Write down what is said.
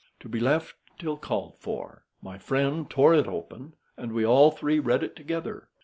To be left till called for." My friend tore it open, and we all three read it together.